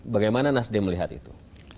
bagaimana nasdeh melihat itu